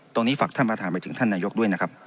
ตรงนี้ฝากท่านประธานไปถึงท่านนายกด้วยนะครับ